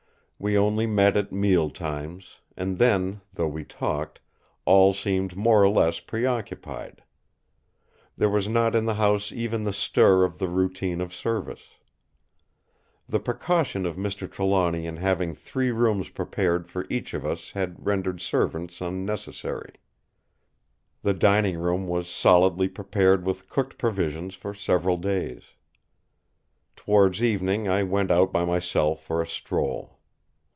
We only met at meal times; and then, though we talked, all seemed more or less preoccupied. There was not in the house even the stir of the routine of service. The precaution of Mr. Trelawny in having three rooms prepared for each of us had rendered servants unnecessary. The dining room was solidly prepared with cooked provisions for several days. Towards evening I went out by myself for a stroll.